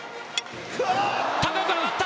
高く上がった！